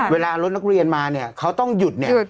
เวลารถนักเรียนมาเนี่ยเขาต้องหยุดเนี่ย